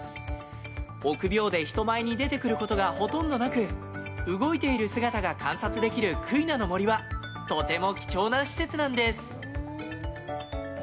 臆病で人前に出てくることがほとんどなく動いている姿が観察できるクイナの森はとても貴重な施設なんです。